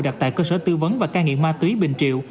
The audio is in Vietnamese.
đặt tại cơ sở tư vấn và ca nghiện ma tuy bình triệu